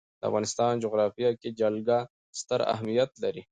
د افغانستان جغرافیه کې جلګه ستر اهمیت لري.